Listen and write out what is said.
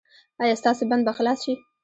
ایا ستاسو بند به خلاص شي؟